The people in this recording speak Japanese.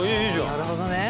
なるほどね。